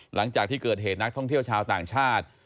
หลังจากที่เกิดเหตุนักท่องเที่ยวชาวต่างชาติ